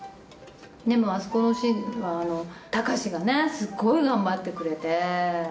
でもあそこのシーンは高志がすっごい頑張ってくれて。